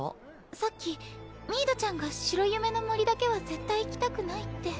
さっきミードちゃんが白夢の森だけは絶対行きたくないって。